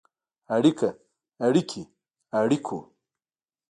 اړیکه ، اړیکې، اړیکو.